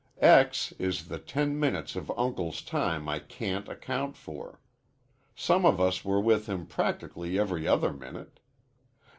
"X is the ten minutes of Uncle's time I can't account for. Some of us were with him practically every other minute.